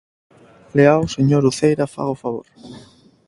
Léao, señora Uceira, faga o favor.